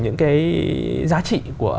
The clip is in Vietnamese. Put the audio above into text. những cái giá trị của